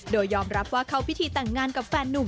โดยยอมรับว่าเข้าพิธีแต่งงานกับแฟนนุ่ม